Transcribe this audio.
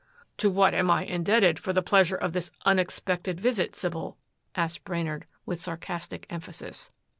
"To what am I indebted for the pleasure of this unexpected visit, Sybil?" asked Brainard with sarcastic emphasis.